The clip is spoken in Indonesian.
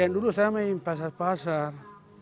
yang dulu saya main pasar pasar